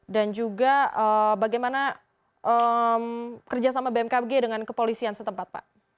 dan juga bagaimana kerja sama bmkg dengan kepolisian setempat pak